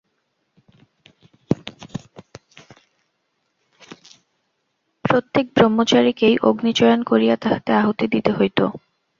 প্রত্যেক ব্রহ্মচারীকেই অগ্নিচয়ন করিয়া তাহাতে আহুতি দিতে হইত।